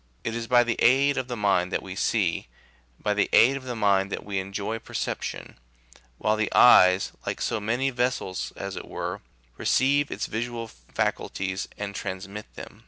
It is by the aid of the mind that we see, by the aid of the mind that we enjoy perception; while the eyes, like so many vessels, as it were, receive its visual faculties and trans mit them.